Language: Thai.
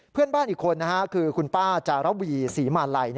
เพื่อนบ้านอีกคนนะครับคือคุณป้าจารับวี่ศรีมาไหล่